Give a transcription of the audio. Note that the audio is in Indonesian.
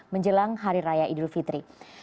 menjelang hari raya idul fitri